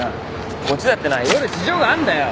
こっちだってな色々事情があんだよ。